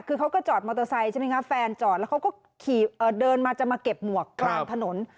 คือเขาก็จอดมอเตอร์ไซค์ใช่ไหมคะแฟนจอดแล้วเขาก็ขี่เดินมาจะมาเก็บหมวกกลางถนน